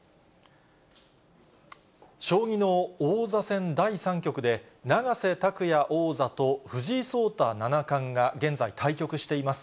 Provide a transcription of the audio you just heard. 将棋の王座戦第３局で、永瀬拓矢王座と、藤井聡太七冠が現在、対局しています。